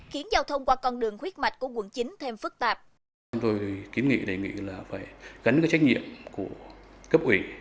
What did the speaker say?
khiến giao thông qua con đường khuyết mạch của quận chín thêm phức tạp